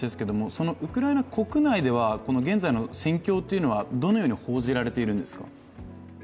そのウクライナ国内では、現在の戦況というのはどのように報じられているんですか。